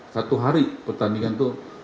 satu hari pertandingan itu